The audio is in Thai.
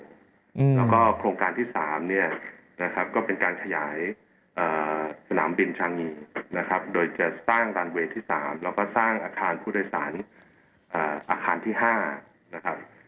แล้วก็โครงการที่๓เนี่ยนะครับก็เป็นการขยายสนามบินชานีนะครับโดยจะสร้างรันเวย์ที่๓แล้วก็สร้างอาคารผู้โดยสารอาคารที่๕นะครับ